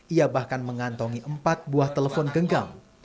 ia bahkan mengantongi empat buah telepon genggam